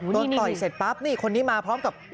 ต่อยเสร็จปั๊บนี่คนนี้มาพร้อมกับ